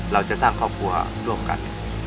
เราจะสร้างครอบครัวร่วมกัน